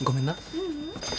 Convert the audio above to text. ううん。